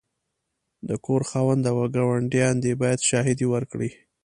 د کور خاوند او ګاونډیان دي باید شاهدې ورکړې.